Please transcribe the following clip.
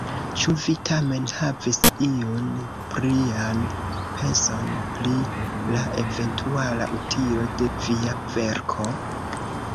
Ĉu vi tamen havis iun plian penson, pri la eventuala utilo de via verko?